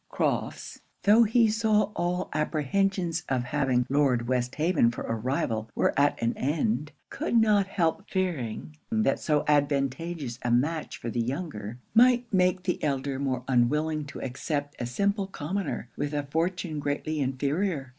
Crofts, tho' he saw all apprehensions of having Lord Westhaven for a rival were at an end, could not help fearing that so advantageous a match for the younger, might make the elder more unwilling to accept a simple commoner with a fortune greatly inferior.